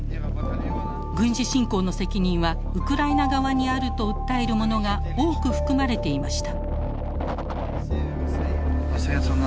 軍事侵攻の責任はウクライナ側にあると訴えるものが多く含まれていました。